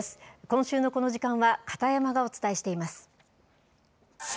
今週のこの時間は、片山がお伝えしています。